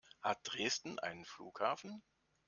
Hat Dresden einen Flughafen?